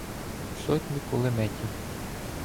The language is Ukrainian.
сотні кулеметів.